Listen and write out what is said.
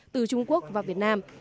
từ trung quốc vào việt nam